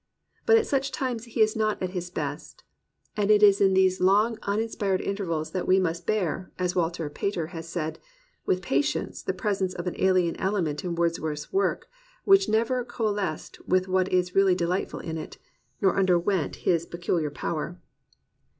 But at such times he is not at his best; and it is in these long uninspired intervals that we must bear, as Walter Pater has said, "With patience the presence of an alien element in Wordsworth's work, which never coalesced with what is really delightful in it, nor underwent his peculiar power."